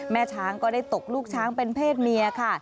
ช้างก็ได้ตกลูกช้างเป็นเพศเมียค่ะ